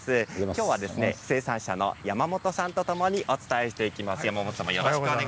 今日は生産者の山本さんとお伝えしていきます。